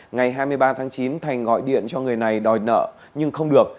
ngày hai mươi ba tháng chín thành gọi điện cho người này đòi nợ nhưng không được